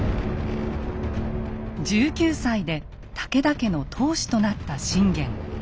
１９歳で武田家の当主となった信玄。